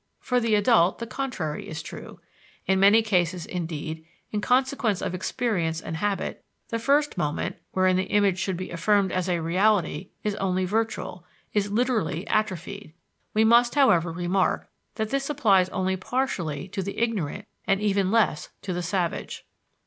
For the adult the contrary is true in many cases, indeed, in consequence of experience and habit, the first moment, wherein the image should be affirmed as a reality, is only virtual, is literally atrophied. We must, however, remark that this applies only partially to the ignorant and even less to the savage.